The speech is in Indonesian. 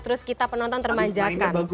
terus kita penonton termanjakan